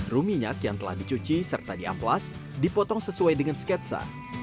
rum minyak yang telah dicuci serta diamplas dipotong sesuai dengan sketsa